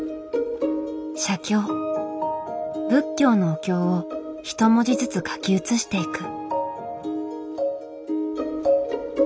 仏教のお経を一文字ずつ書き写していく。